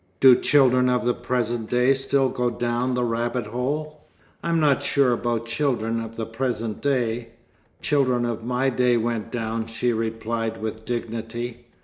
"Do children of the present day still go down the rabbit hole?" "I'm not sure about children of the present day. Children of my day went down," she replied with dignity.